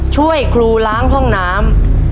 ช่วยครูล้างห้องน้ำ